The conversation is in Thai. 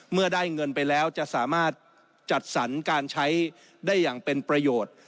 เมื่อได้เงินไปแล้วจะสามารถจัดสรรการใช้ได้อย่างเป็นประโยชน์